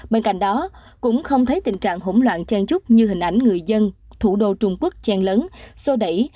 bên cạnh đó cũng không thấy tình trạng hỗn loạn chen trúc như hình ảnh người dân thủ đô trung quốc chen lấn sô đẩy